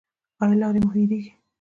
ایا لارې مو هیریږي؟